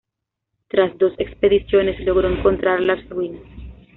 Tras dos expediciones, logró encontrar las ruinas.